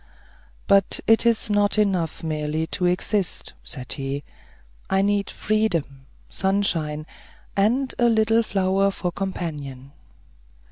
"But it is not enough merely to exist," said he, "I need freedom, sunshine, and a little flower for a companion."